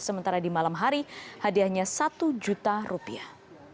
sementara di malam hari hadiahnya satu juta rupiah